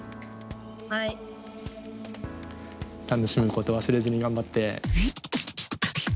楽しむこと忘れずに頑張って。